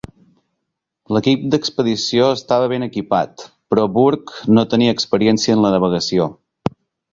L'equip d'expedició estava ben equipat, però Burke no tenia experiència en la navegació.